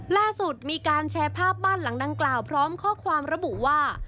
ล่าสุดมีการแชร์ภาพบ้านหลังดังกล่าวพร้อมข้อความระบุว่า